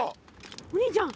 お兄ちゃん！